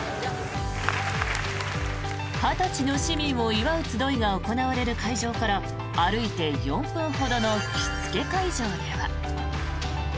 「二十歳の市民を祝うつどい」が行われる会場から歩いて４分ほどの着付け会場では。